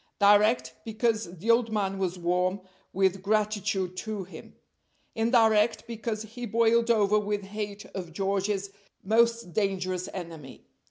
Direct, because the old man was warm with gratitude to him; indirect, because he boiled over with hate of George's most dangerous enemy.